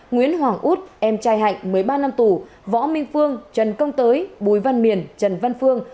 nguyễn hoàng út em trai hạnh một mươi ba năm tù võ minh phương trần công tới bùi văn miền trần văn phương